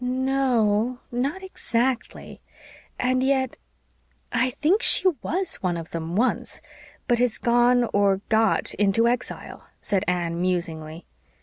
"No o o, not exactly. And yet I think she WAS one of them once, but has gone or got into exile," said Anne musingly.